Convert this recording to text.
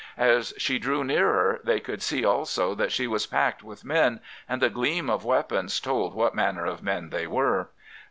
As she drew nearer, they could see also that she was packed with men, and the gleam of weapons told what manner of men they were.